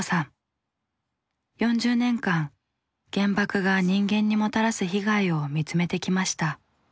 ４０年間原爆が人間にもたらす被害を見つめてきました。